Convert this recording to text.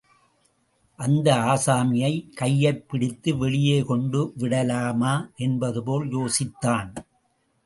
அந்த ஆசாமியை கையைப் பிடித்து வெளியே கொண்டு விடலாமா என்பதுபோல் யோசித்தான்.